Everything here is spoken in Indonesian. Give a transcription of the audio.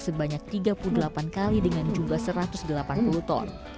sebanyak tiga puluh delapan kali dengan jumlah satu ratus delapan puluh ton